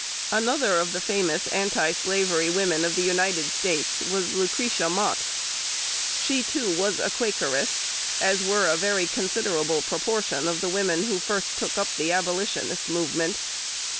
Another of the famous anti slavery women of the United States was Lucretia Mott. She, too, was a Quakeress, as were a very considerable proportion of the women who first took up the Abolitionist movement.